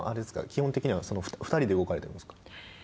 基本的には２人で動かれているんですか。